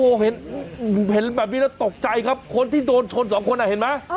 โอ้โหเห็นแบบนี้แล้วตกใจครับคนที่โดนชนสองคนอ่ะเห็นไหม